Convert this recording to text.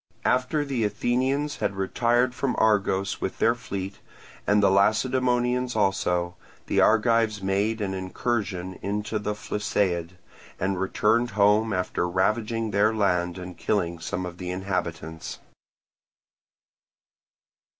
After the Athenians had retired from Argos with their fleet, and the Lacedaemonians also, the Argives made an incursion into the Phlisaid, and returned home after ravaging their land and killing some of the inhabitants.